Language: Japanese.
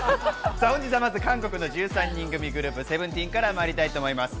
本日は韓国の１３人組グループＳＥＶＥＮＴＥＥＮからまいりたいと思います。